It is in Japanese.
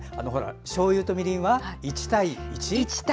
しょうゆとみりんは１対１？